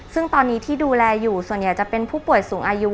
ซึ่งตอนนี้ที่ดูแลอยู่ส่วนใหญ่จะเป็นผู้ป่วยสูงอายุ